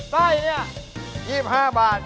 สร้อยเนี่ย๒๕บาท